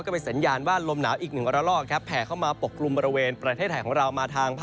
ก็เป็นสัญญาณว่าลมหนาวอีกหนึ่งอัลล่อแผ่เข้ามาปกกรุมบริเวณประเทศไทยของเรามาทางภาคอิสานนะครับ